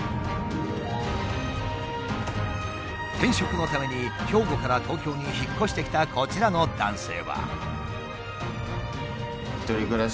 転職のために兵庫から東京に引っ越してきたこちらの男性は。